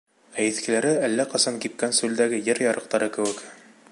Ә иҫкеләре әллә ҡасан кипкән сүлдәге ер ярыҡтары кеүек.